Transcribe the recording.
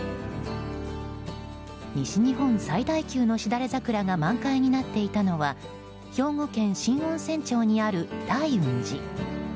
西日本最大級のしだれ桜が満開になっていたのは兵庫県新温泉町にある泰雲寺。